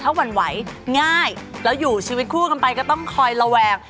ถ้าหวั่นไหวง่ายแล้วอยู่ชีวิตคู่กันไปก็ต้องคอยระแวง